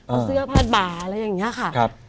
เอาเสื้อผ้าบ่าอะไรอย่างนี้ค่ะ